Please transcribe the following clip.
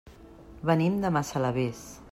Venim de Massalavés.